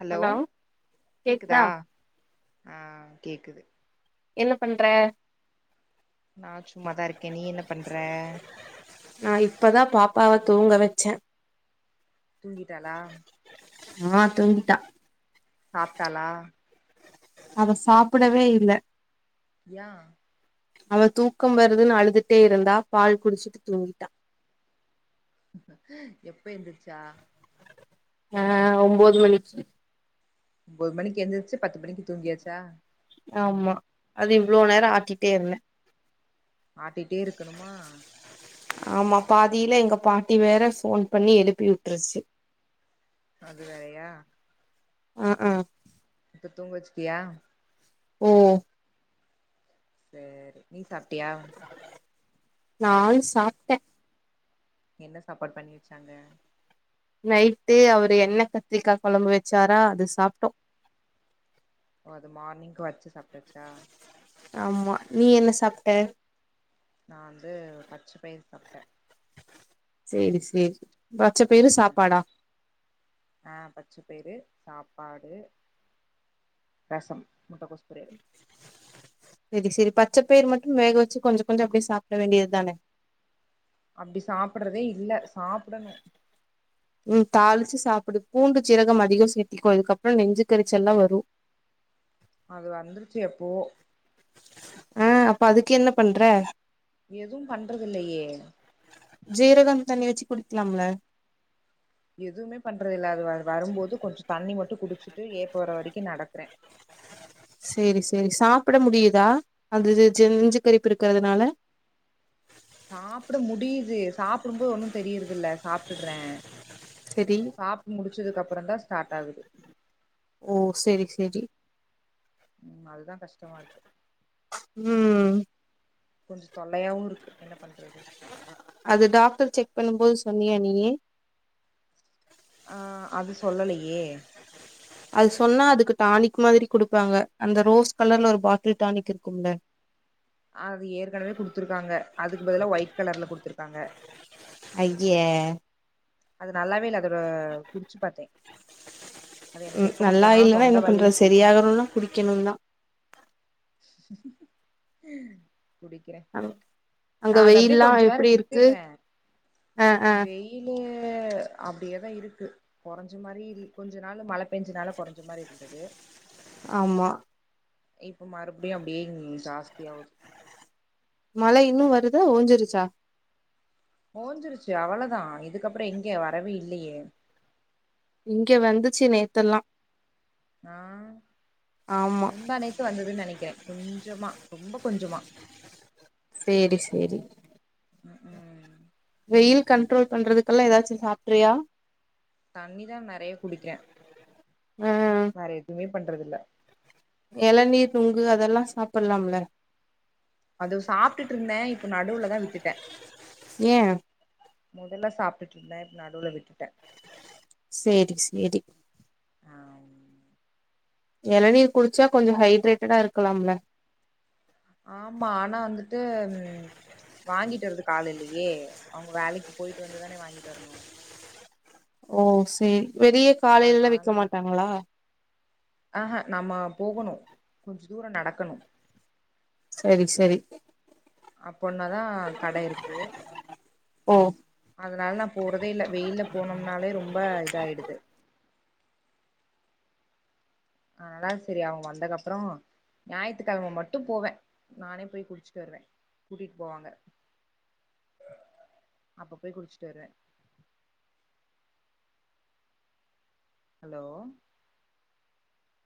hello கேக்குதா ஆ கேக்குது என்ன பண்ற நா சும்மாதா இருக்க நீ என்ன பண்ற நா இப்பதா பாப்பாவ தூங்க வச்சே தூங்கிட்டாலா ஆ துங்கிட்டா சாப்ட்டாளா அவ சாப்படவே இல்ல யா அவ தூக்கம் வருதுன்னு அழுதுட்டே இருந்தா பால் குடிச்சிட்டு தூங்கிட்டா எப்ப ஏந்துருச்சா ஆ ஒம்போது மணிக்கு ஒம்போது மணிக்கு எந்திரிச்சு பத்து மணிக்கு தூங்கியாச்சா ஆமா அது இவ்ளோ நேரோ ஆட்டிட்டே இருந்தே ஆட்டிட்டே இருக்கணுமா ஆமா பாதில எங்க பாட்டி வேற போன் பண்ணி எழுப்பி விட்டுருச்சு அது வேறையா ம் ம் எங்க தூங்க வச்சுட்டியா ம் சேரி நீ சாப்டியா நான் சாப்டே என்ன சாப்பாடு பண்ணி வச்சாங்க நைட்டு அவரு என்ன கத்திரிக்காய் கொழம்பு வச்சாரா அது சாப்டோ ஓ அது மார்னிங்க்கு வச்சு சாப்டாச்சா ஆமா நீ என்ன சாப்ட்ட நான் கவந்து பச்சை பயிர் சாப்பிட்டேன் சேரி கேரி பச்ச பயிறு சாப்பாடா அ பச்சைப்பயிறு சாப்பாடு ரசம் முட்ட கோஸ் பொரியல் செரி செரி பச்சைப்பயர் மட்டு வேக வச்சு கொஞ்ச கொஞ்ச அப்டியே சாப்ட வேண்டியது தானே அப்டி சாப்டறதே இல்ல சாப்டணு [inaudible] உம் தாளிச்சு சாப்பிடு பூண்டு சீரகம் அதிகம் சேர்த்திக்கும் அதுக்கப்புறம் நெஞ்சு கறிச்ச எல்லாம் வரும் அது வந்துருச்சு எப்போவோ ன அப்ப அதுக்கு என்ன பண்ற எதும் பண்றது இல்லையே ஜீரகம் தண்ணி வச்சு குடிக்லாம்ல எதுமே பண்றதல்ல அது வ வரும்போது கொஞ்சம் தண்ணி மட்டும் குடிச்சுட்டு ஏப்ப வர வரைக்கும் நடக்கற சேரி சேரி சாப்பிட முடியுதா அது ஜ நஞ்சு கரிப்பு இருக்கிறதுனால சாப்ட முடியுது சாப்டும்போது ஒன்னு தெரியறது இல்ல சாப்பிடுறே செரி சாப்டு முடிச்சதுக்கு அப்புறம்தா ஸ்டார்ட் ஆகுது ஓ செரி செரி அதுதா கஷ்டமா இருக்கு ம் கொஞ்ச தொல்லையாவு இருக்கு என்ன பண்றது ச [unintelligible] அது டாக்டர் செக் பண்ணும் போது சொன்னியா நீயி ஆஹ் அது சொல்லலையே அது சொன்னா அதுக்கு டானிக் மாதிரி குடுப்பாங்க அந்த ரோஸ் கலர்ல ஒரு பாட்டில் டானிக் இருக்கும்ல அது ஏற்கனவே குடுத்துருக்காங்க அதுக்கு பதில ஒயிட் கலர்ல குடுத்துருக்காங்க ஐய்ய அது நல்லாவே இல்ல அதோட அ குடிச்சு பாத்தே அது எனக்கு ம் எப்ப நல்லா குடுத்தாங்கன்னா இல்லன்னா தொண்ட என்ன வலின்னு பண்றது சொல்ட்டு நா போனே சரியாகணும்னா குடிக்கணுந்தா ம் குடிக்கு றே நா அங்க அத அப்டியே வெயில்லா கொஞ்ச நேர எப்டி இருக்கு விட்டுட்றே அ அ வெய் ஏ அப்டியேதா இருக்கு கொறச்ச மாரி கொஞ்ச நாள் மழை பெஞ்சனால கொறைஞ்ச மாரி இருந்தது ஆமா இப்ப மறுபடியு அப்டியேங் ஜாஸ்தியா ஆகுது மழை இன்னு வருதுதா ஓஞ்சிருச்சா ஓஞ்சிருச்சு அவ்வளதா இதுக்கப்புற எங்க வரவே இல்லையே இங்க வந்துச்சு நேத்தல்லா ஆ ஆமா முந்தானேத்து வந்ததுன்னு நெனைக்கிறே கொஞ்சமா ரொம்ப கொஞ்சமா சேரி சேரி உஹ உம் வெயில் கண்ட்ரோல் பண்றதுக்கெல்லா ஏதாச்சு சாப்ட்றியா தண்ணிதான் நெறைய குடிக்கிறே அ வேற எதுமே பண்றதில்ல எளநீர் நுங்கு அதெல்லா சாப்பிடலாம்ல அது சாப்ட்டுட்டு இருந்தே இப்ப நடுவுலதா விட்டுட்டே ஏ முதல்ல சாப்பிட்டுட்ருந்தே இப்ப நடுவுல விட்டுட்டே செரி செரி ஆம் இளநீர் குடிச்சா கொஞ்ச ஹைட்ரேட்டடா இருக்கலாம்ல ஆமா ஆனா வந்துட்டு ம் வாங்கிட்டு வரது காலைலயே அவங்க வேலைக்கு போயிட்டு வந்து தானே வாங்கிட்டு வரணு ஓ செரி வெளிய காலையிலல்லா அதனால விக்க மாட்டாங்களா ஆஹா நம்ம போகணு கொஞ்ச தூரோ நடக்கணு சரி சரி அப்போன்னதா கடை இருக்கு ஓ அதனால நா போறதே இல்ல வெயில போனோம்னாலே ரொம்ப இதாயிடுது அதனால செரி அவங்க வந்தக்கப்புறோ ஞாயித்துக்கிழம மட்டு போவே நானே போய் குடிச்சிட்டு வருவே கூட்டிட்டு போவாங்க ம் [inaudible] அப்ப போய் குடிச்சுட்டு வர்வே ஹலோ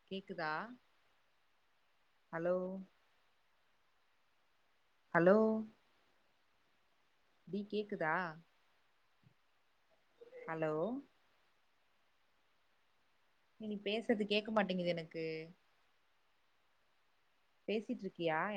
கேக்குதா ஹலோ ஹலோ டி கேக்குதா ஹலோ நீங்க பேசுறது கேக்க மாட்டேங்குது எனக்கு பேசிட்ருக்கியா என